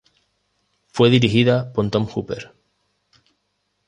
Fue dirigida por Tom Hooper.